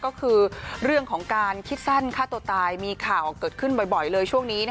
ก็คือเรื่องของการคิดสั้นฆ่าตัวตายมีข่าวเกิดขึ้นบ่อยเลยช่วงนี้